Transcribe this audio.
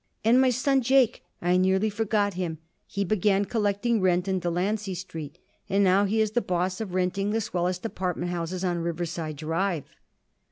"And my son Jake, I nearly forgot him. He began collecting rent in Delancey Street, and now he is boss of renting the swellest apartment houses on Riverside Drive."